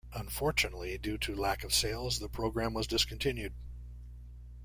Unfortunately, due to lack of sales, the program was discontinued.